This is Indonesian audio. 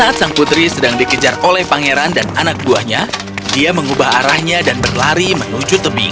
dan saat sang putri sedang dikejar oleh pangeran dan anak buahnya dia mengubah arahnya dan berlari menuju tebing